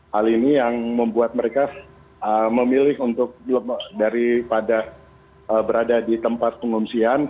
hal ini yang membuat mereka memilih untuk daripada berada di tempat pengungsian